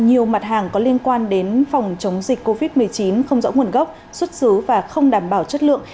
nhiều mặt hàng có liên quan đến phòng chống dịch covid một mươi chín không rõ nguồn gốc xuất xứ và không đảm bảo chất lượng